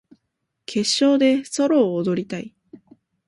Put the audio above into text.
決勝でソロを踊りたい